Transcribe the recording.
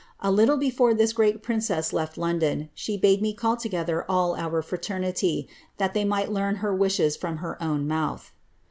A little before this great princess left London, she bade me call together all our fraternity, tluit they might learn her wishes from her own mouth."